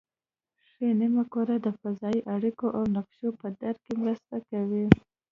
ښي نیمه کره د فضایي اړیکو او نقشو په درک کې مرسته کوي